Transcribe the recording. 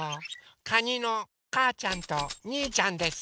かにのかーちゃんとにーちゃんです。